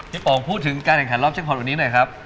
ป๋องพูดถึงการแข่งขันรอบแจ็คพอร์ตวันนี้หน่อยครับ